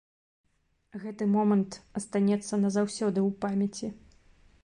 Гэты момант астанецца назаўсёды ў памяці.